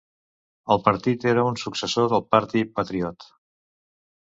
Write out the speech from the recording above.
El partit era un successor del "Parti Patriote".